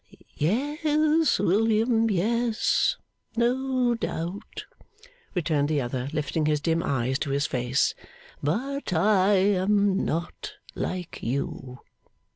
'Yes, William, yes. No doubt,' returned the other, lifting his dim eyes to his face. 'But I am not like you.